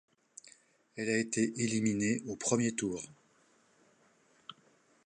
Elle a été éliminée au premier tour.